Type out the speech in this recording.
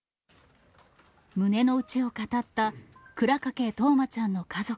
胸の内を語った、倉掛冬生ちゃんの家族。